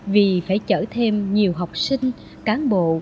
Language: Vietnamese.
vì phải chở thêm nhiều học sinh cán bộ